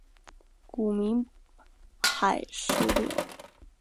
古名海石榴。